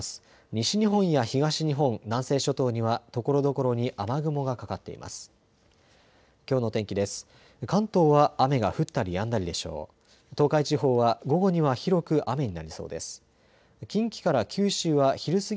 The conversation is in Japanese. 西日本や東日本、南西諸島にはところどころに雨雲がかかっています。